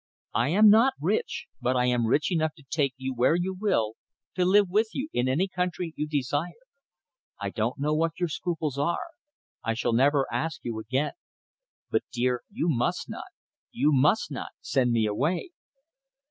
I am not rich, but I am rich enough to take you where you will, to live with you in any country you desire. I don't know what your scruples are I shall never ask you again. But, dear, you must not! You must not send me away."